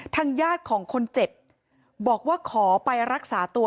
ทางญาติของคนเจ็บบอกว่าขอไปรักษาตัว